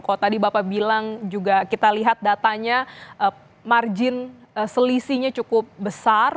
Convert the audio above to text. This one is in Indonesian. kalau tadi bapak bilang juga kita lihat datanya margin selisihnya cukup besar